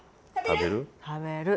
食べる？